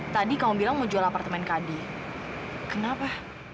tadi kamu bilang mau jual apartemen kak adi kenapa